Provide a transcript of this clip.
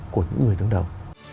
của những người đứng đầu